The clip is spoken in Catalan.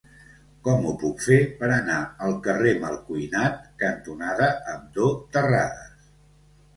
Com ho puc fer per anar al carrer Malcuinat cantonada Abdó Terradas?